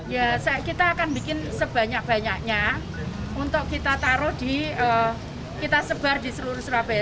ya kita akan bikin sebanyak banyaknya untuk kita taruh di kita sebar di seluruh surabaya